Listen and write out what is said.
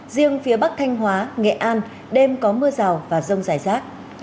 riêng phía bắc thanh hóa nghệ an đêm có mưa rào và rông rải rác